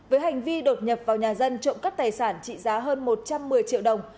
với hành vi đột nhập vào nhà dân trộm cắp tài sản trị giá hơn một trăm một mươi triệu đồng